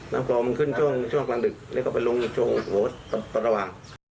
น้ำกรองมันขึ้นช่วงกลางดึกแล้วก็ไปลงช่วงต่อระหว่าง